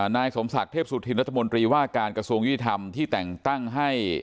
นายสมศักดิ์เทพสุธินรัฐมนตรีว่าการกระทรวงยุติธรรมที่แต่งตั้งให้